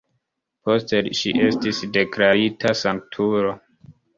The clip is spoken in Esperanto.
Poste ŝi estis deklarita sanktulo.